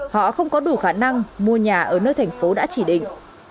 họ không có đủ khả năng mua nhà ở nơi thành phố đã chỉ định